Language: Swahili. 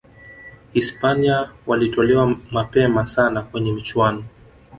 hispania walitolewa nmapema sana kwenye michuano